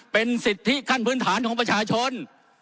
เป็นสิทธิขั้นพื้นฐานของประชาชน